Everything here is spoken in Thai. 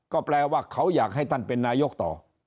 ก็แปลว่าเขาอยากให้ท่านเป็นนายกต่อ